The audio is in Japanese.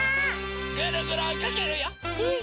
ぐるぐるおいかけるよ！